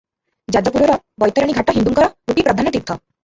ଯାଜପୁରର ବୈତରଣୀ ଘାଟ ହିନ୍ଦୁଙ୍କର ଗୋଟିଏ ପ୍ରଧାନ ତୀର୍ଥ ।